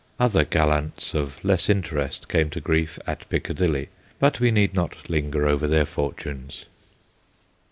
Other gallants of less interest came to grief 'at Piccadilly/ but we need not linger over their fortunes.